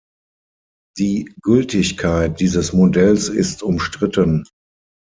Die Gültigkeit dieses Modells ist umstritten.